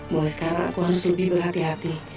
mulai sekarang aku harus lebih berhati hati